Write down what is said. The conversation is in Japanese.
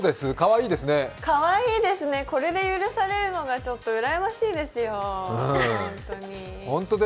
かわいいですね、これで許されるのが、ちょっとうらやましいですよ、ホントに。